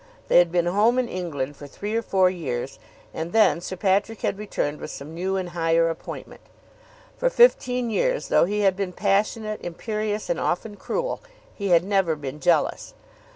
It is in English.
They had been home in England for three or four years, and then Sir Patrick had returned with some new and higher appointment. For fifteen years, though he had been passionate, imperious, and often cruel, he had never been jealous.